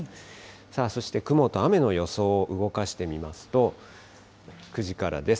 さあ、そして雲と雨の予想を動かしてみますと、９時からです。